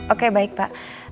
oke baik pak